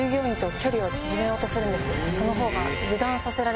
その方が。